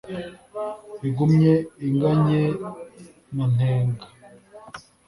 igumye iganye na ntenga